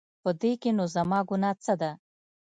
په دې کې نو زما ګناه څه ده؟